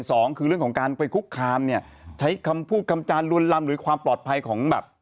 สองคือเรื่องของการไปคุกคามเนี่ยใช้คำพูดคำจานลวนลำหรือความปลอดภัยของแบบ